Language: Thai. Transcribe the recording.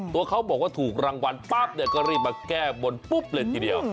ตัวเขาบอกว่าถูกรางวัลปั๊บเนี่ยก็รีบมาแก้บนปุ๊บเลยทีเดียว